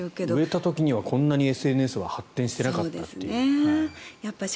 植えた時にはこんなにＳＮＳが発展していなかったと。